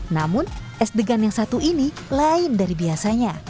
namun es degan yang satu ini lain dari biasanya